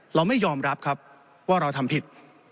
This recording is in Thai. เราไม่ยอมรับครับว่าเราทำผิด